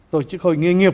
tổ chức hội nghề nghiệp